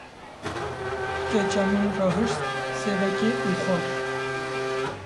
Keça min rahişt sêvekê û xwar.